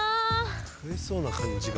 食えそうな感じが。